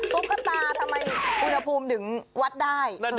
ตุ๊กตาทำไมอุณหภูมิถึงวัดได้